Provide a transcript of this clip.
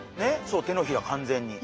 そう手のひら完全に。